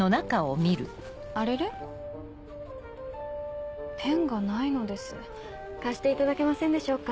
あれれ？ペンがないのです貸していただけませんでしょうか。